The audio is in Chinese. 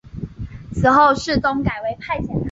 此后世宗改为派遣他人。